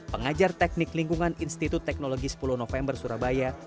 pengajar teknik lingkungan institut teknologi sepuluh november surabaya